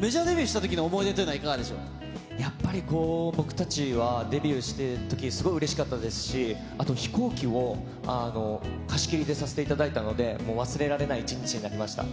メジャーデビューしたときのやっぱり僕たちはデビューしたとき、すごいうれしかったですし、あと飛行機を貸し切りでさせていただいたので、もう忘れられない一日になりました。